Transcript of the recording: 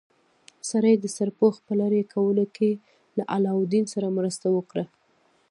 سړي د سرپوښ په لرې کولو کې له علاوالدین سره مرسته وکړه.